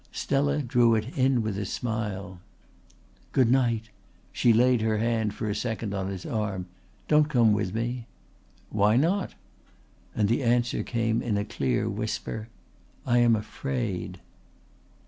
Stella drew it in with a smile. "Good night!" She laid her hand for a second on his arm. "Don't come with me!" "Why not?" And the answer came in a clear whisper: "I am afraid."